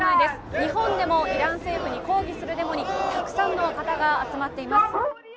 日本でもイラン政府に抗議するデモにたくさんの方が集まっています。